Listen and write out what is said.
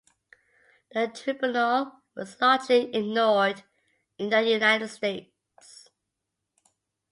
The tribunal was largely ignored in the United States.